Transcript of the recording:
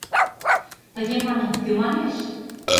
Тыге манын, кӧ манеш?